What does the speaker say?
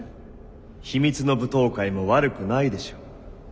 秘密の舞踏会も悪くないでしょう。